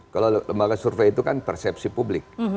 kalau lembaga survei itu kan persepsi publik